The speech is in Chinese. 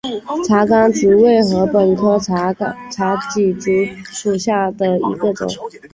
茶竿竹为禾本科茶秆竹属下的一个种。